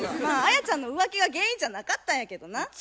まあアヤちゃんの浮気が原因じゃなかったんやけどな。